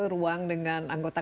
ruang dengan anggota